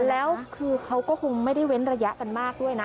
แล้วคือเขาก็คงไม่ได้เว้นระยะกันมากด้วยนะ